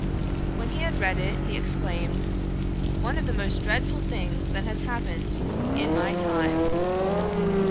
When he had read it, he exclaimed, 'One of the most dreadful things that has happened in my time.'